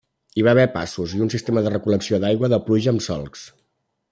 Hi va haver passos i un sistema de recol·lecció d'aigua de pluja amb solcs.